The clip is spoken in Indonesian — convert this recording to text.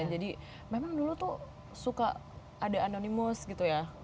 jadi memang dulu tuh suka ada anonimus gitu ya